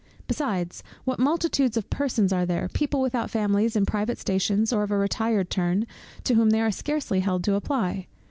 Besides; what multitudes of persons are there, people without families, in private stations, or of a retired turn, to whom they are scarcely held to apply!